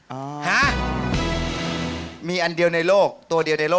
ฮะมีอันเดียวในโลกตัวเดียวในโลก